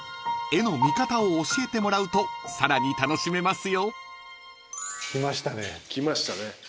［絵の見方を教えてもらうとさらに楽しめますよ］来ましたね。